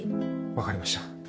分かりました。